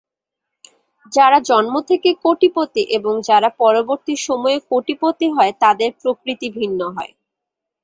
যারা জন্ম থেকেই কোটিপতি এবং যারা পরবর্তী সময়ে কোটিপতি হয় তাদের প্রকৃতি ভিন্ন হয়?